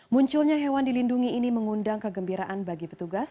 munculnya hewan dilindungi ini mengundang kegembiraan bagi petugas